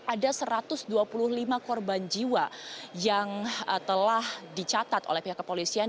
ada satu ratus dua puluh lima korban jiwa yang telah dicatat oleh pihak kepolisian